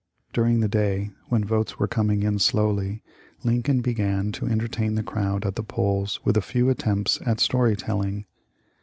During the day, when votes were coming in slowly, Lincoln began, to entertain the crowd at the polls with a few attempts at story telling.